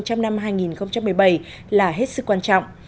trong năm hai nghìn một mươi bảy là hết sức quan trọng